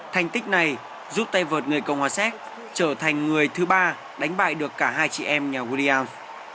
thành tích này giúp tay vợt người cộng hòa séc trở thành người thứ ba đánh bại được cả hai chị em nhà whia